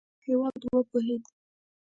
خو کله چې یاد هېواد وپوهېده